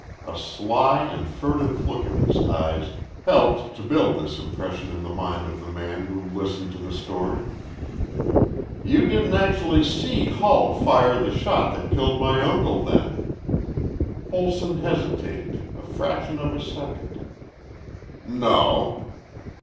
A sly and furtive look in his eyes helped to build this impression in the mind of the man who listened to the story. "You didn't actually see Hull fire the shot that killed my uncle, then?" Olson hesitated, a fraction of a second. "No."